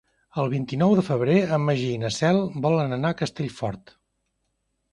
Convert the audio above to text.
El vint-i-nou de febrer en Magí i na Cel volen anar a Castellfort.